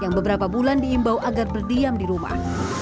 yang beberapa bulan diimbau agar berdiam di rumah